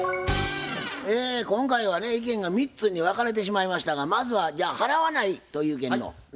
今回はね意見が３つに分かれてしまいましたがまずはじゃあ払わないという意見の南天君からどうぞ。